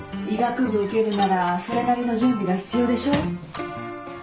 医学部受けるならそれなりの準備が必要でしょ。